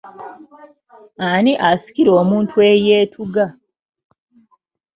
Ani asikira omuntu eyeetuga?